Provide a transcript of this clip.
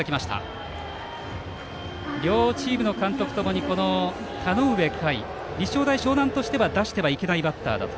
両チームの監督ともに田上夏衣について立正大淞南としては出してはいけないバッターだと。